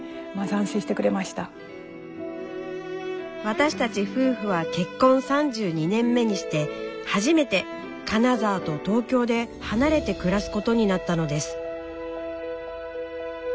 私たち夫婦は結婚３２年目にして初めて金沢と東京で離れて暮らすことになったのです。